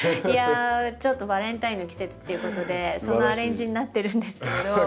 いやちょっとバンタインの季節っていうことでそのアレンジになってるんですけれど。